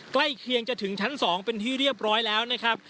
ใกล้เคียงจะถึงชั้น๒เป็นที่เรียบร้อยแล้วนะครับ